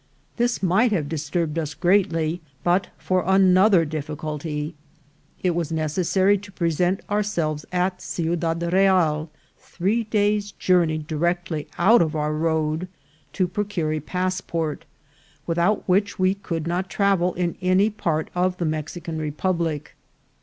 This might have disturbed us greatly but for another difficulty. It was necessary to present ourselves at Ciudad Real, three days' journey directly out of our road, to procure a passport, without which we could not travel in any part of the Mexican republic.